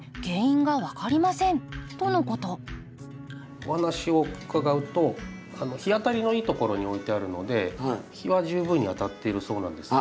お話を伺うと日当たりのいいところに置いてあるので日は十分に当たっているそうなんですが。